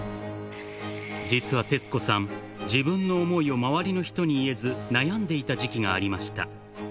実は徹子さん、自分の想いを周りの人に言えず、悩んでいた時期がありました。